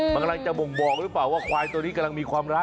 มันกำลังจะบ่งบอกหรือเปล่าว่าควายตัวนี้กำลังมีความรัก